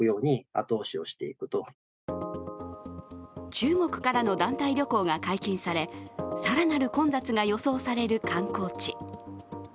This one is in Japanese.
中国からの団体旅行が解禁され更なる混雑が予想される観光地。